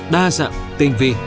đa dạng tình vi